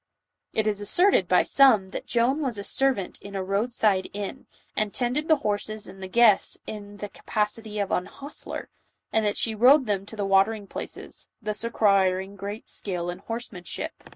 7 146 JOAN OP ARC. It is asserted by some, that Joan was a servant in a road side Tan,~an3~tended tfie"Iiorses and the guests, in the capacity of an hostler, and that she rode them to the watering places, thus acquiring great skill in horse manship.